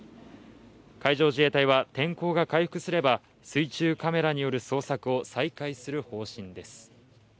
海上自衛隊は天候が回復すれば水中カメラによる捜索を再開する方針です。